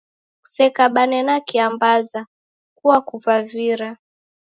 Kusekabane na kiambaza, kuakuvavira